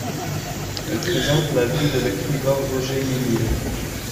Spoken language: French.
Elle présente la vie de l'écrivain Roger Nimier.